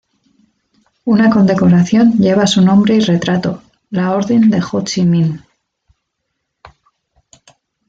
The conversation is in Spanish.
Una condecoración lleva su nombre y retrato: la Orden de Ho Chi Minh.